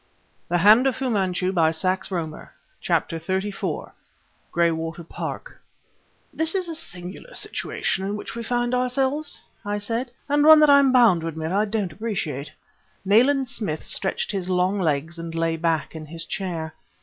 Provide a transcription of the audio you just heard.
That day came in my life long years ago!" CHAPTER XXXIV GRAYWATER PARK "This is a singular situation in which we find ourselves," I said, "and one that I'm bound to admit I don't appreciate." Nayland Smith stretched his long legs, and lay back in his chair.